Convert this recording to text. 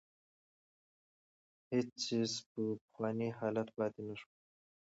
هېڅ څېز په پخواني حالت پاتې نه شول.